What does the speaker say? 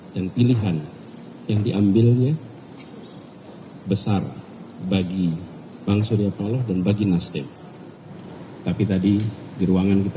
pilihan yang diambilnya besar bagi bang surya paloh dan bagi nasdem tapi tadi di ruangan kita